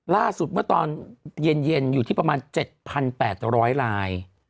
ล่าสุดเมื่อตอนเย็นอยู่ที่ประมาณ๗๘๐๐ลาย